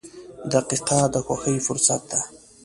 • دقیقه د خوښۍ فرصت ده.